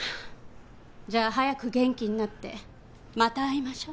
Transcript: じゃあ早く元気になってまた会いましょう。